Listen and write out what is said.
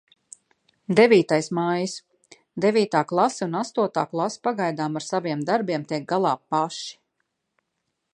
Devītais maijs. Devītā klase un astotā klase pagaidām ar saviem darbiem tiek galā paši.